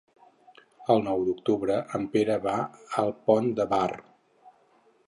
El nou d'octubre en Pere va al Pont de Bar.